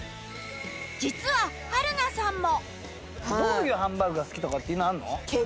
実は春菜さんも